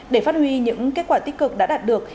để phát huy những kết quả tích cực đã đạt được